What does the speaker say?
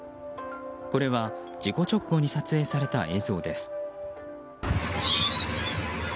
これは事故直後に撮影された映像です。